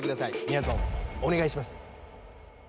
みやぞんお願いします。